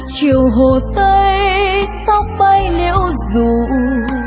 chiều hồ tây tóc bay liễu rụ